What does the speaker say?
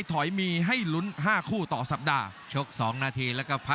กรุงฝาพัดจินด้า